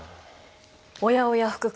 おやおや福君